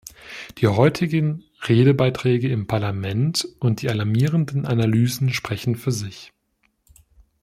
Die heutigen Redebeiträge im Parlament und die alarmierenden Analysen sprechen für sich.